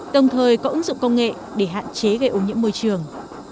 đồng thời có ứng dụng công nghệ để hạn chế gây ô nhiễm môi trường